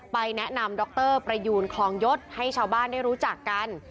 แนะนำดรประยูนคลองยศให้ชาวบ้านได้รู้จักกัน